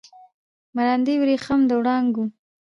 مراندې وریښم د وړانګو